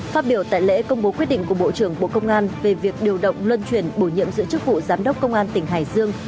phát biểu tại lễ công bố quyết định của bộ trưởng bộ công an về việc điều động luân chuyển bổ nhiệm giữ chức vụ giám đốc công an tỉnh hải dương